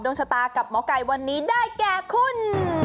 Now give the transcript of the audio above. ชะตากับหมอไก่วันนี้ได้แก่คุณ